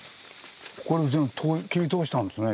これも全部切り通したんですね。